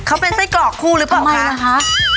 เขาเป็นไส้เกาะคู่รึไมอ่ะครับทำไมอ่ะคะ